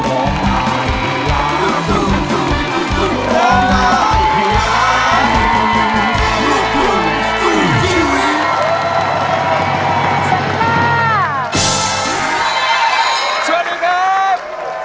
สวัสดีครับ